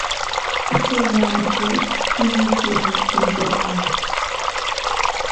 Tutay naanitraw tiyuykiwan tinkurqaa.